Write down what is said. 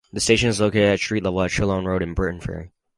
The station is located at street level at Shelone Road in Briton Ferry.